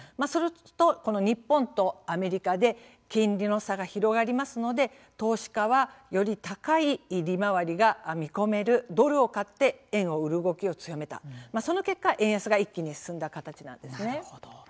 すると日本とアメリカで金利の差が広がりますので投資家はより高い利回りが見込めるドルを買って円を売る動きを強めたその結果、円安が一気に進んだ形なんですね。